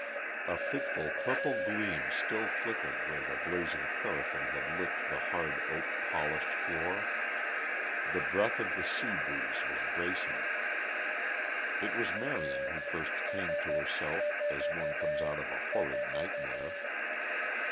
A fitful purple gleam still flickered where the blazing paraffin had licked the hard oak polished floor; the breath of the sea breeze was bracing. It was Marion who first came to herself as one comes out of a horrid nightmare.